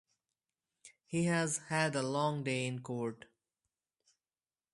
He has had a long day in court.